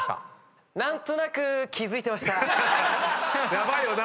ヤバいよな